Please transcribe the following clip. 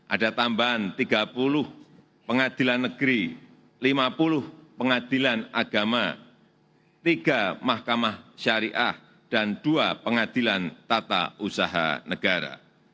ada tambahan tiga puluh pengadilan negeri lima puluh pengadilan agama tiga mahkamah syariah dan dua pengadilan tata usaha negara